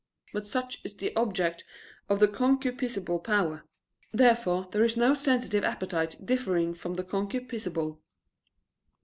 But such is the object of the concupiscible power. Therefore there is no sensitive appetite differing from the concupiscible.